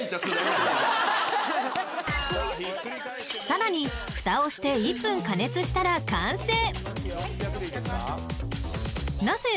［さらにふたをして１分加熱したら完成］